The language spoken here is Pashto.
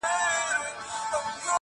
اوس به لوپټه زما پنوم په سروي